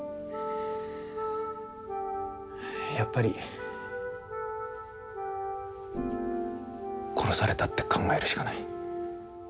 やっぱり殺されたって考えるしかない。